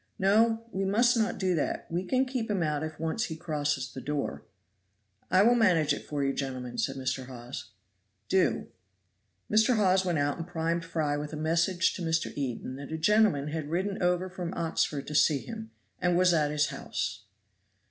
"No, we must not do that we can keep him out if once he crosses the door." "I will manage it for you, gentlemen," said Mr. Hawes. "Do." Mr. Hawes went out and primed Fry with a message to Mr. Eden that a gentleman had ridden over from Oxford to see him, and was at his house.